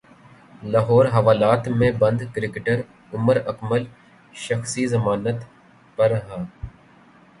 لاہور حوالات مں بند کرکٹر عمر اکمل شخصی ضمانت پر رہا